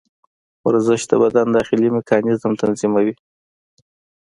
ورزش د بدن داخلي میکانیزم تنظیموي.